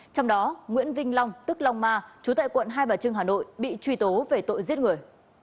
trong đó nguyễn vinh long tức long ma chú tại quận hai bà trưng hà nội bị truy tố về tội giết người